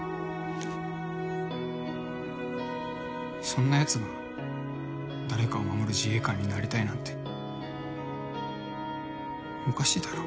そんなやつが誰かを守る自衛官になりたいなんておかしいだろ。